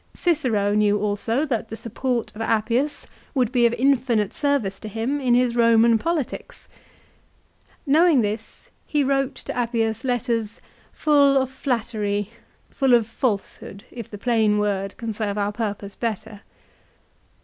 Cicero knew also that the support of Appius would be of infinite service to him in his Roman politics. Knowing this he wrote to Appius letters full of flattery, full of falsehood, if the plain word can serve our purpose better.